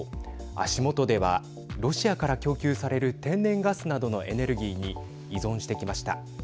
足元ではロシアから供給される天然ガスなどのエネルギーに依存してきました。